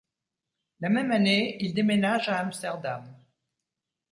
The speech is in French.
La même année, il déménage à Amsterdam.